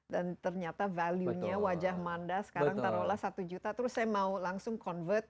dan ternyata value nya wajah manda sekarang taruhlah satu juta terus saya mau langsung convert